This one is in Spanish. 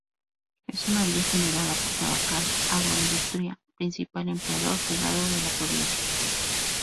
Es una villa generada por Tabacal Agroindustria, principal empleador privado de la Provincia.